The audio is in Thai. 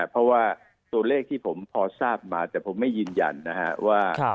เพราะว่าตัวเลขที่ผมพอทราบมาแต่ผมไม่ยืนยันนะครับว่า